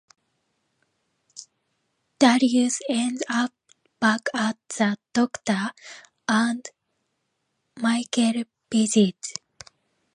Darius ends up back at the doctor and Michael visits.